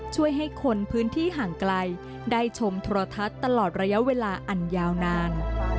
ช่วยให้คนพื้นที่ห่างไกลได้ชมโทรทัศน์ตลอดระยะเวลาอันยาวนาน